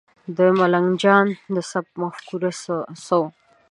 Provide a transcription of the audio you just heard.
د ملنګ جان د سبک مفکوره څه وه؟